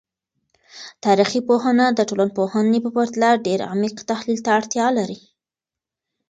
تاریخي پوهنه د ټولنپوهنې په پرتله ډیر عمیق تحلیل ته اړتیا لري.